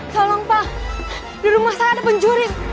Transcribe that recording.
tolong pak di rumah saya ada penjurit